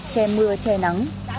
che mưa che nắng